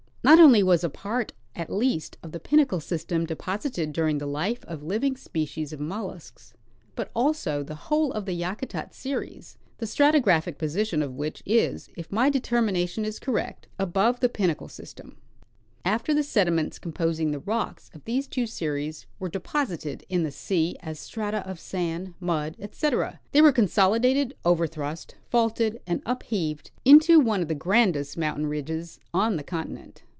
Not only was a part, at least, of the Pinnacle system deposited during the life of living species of mollusks, but also the whole of the Yakutat series, the stratigraphic position of which is, if my determination is correct, above the Pinnacle system. After the sediments composing the rocks of these two series were de Age of the Pinnacle Series. 17^ posited in the sea as strata of sand, mud, etc., they were consoli dated, overthrust, faulted, and upheaved into one of the grandest mountain ridges on the continent.